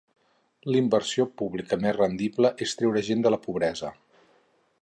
L'inversió pública més rendible és treure gent de la pobresa.